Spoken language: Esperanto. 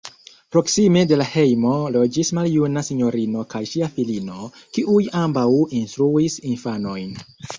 Proksime de la hejmo loĝis maljuna sinjorino kaj ŝia filino, kiuj ambaŭ instruis infanojn.